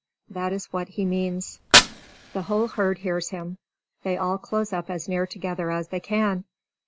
That is what he means. The whole herd hears him. They all close up as near together as they can!